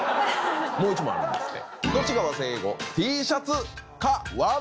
もう１問あるんですって。